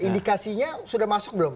indikasinya sudah masuk belum